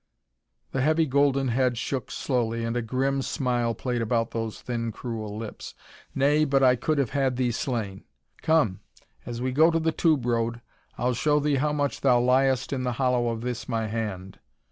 The heavy golden head shook slowly and a grim smile played about those thin cruel lips. "Nay, but I could have had thee slain. Come, as we go to the tube road I'll show thee how much thou liest in the hollow of this, my hand."